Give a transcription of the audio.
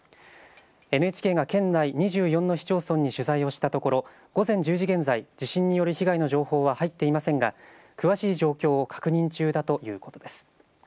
ＮＨＫが県内２４の市町村に取材をしたところ午前１０時現在、地震による被害の情報は入っていませんが詳しい状況を確認中だということです。